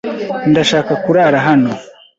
Ndashaka kurara hano.